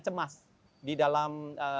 cemas di dalam